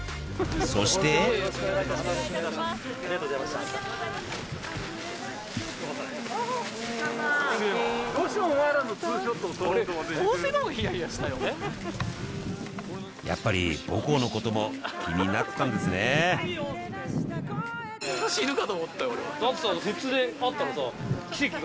そしてやっぱり母校のことも気になってたんですね・